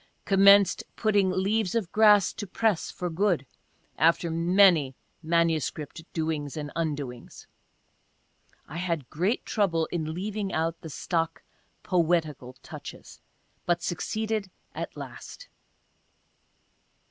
... Commenced putting Leaves of Grass to press, for good — after many MS. doings and undoings — (I had great trouble in leaving out the stock " poetical " touches — but succeeded at last.)